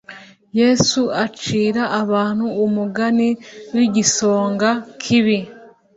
yesu acira abantu umugani w igisonga kibi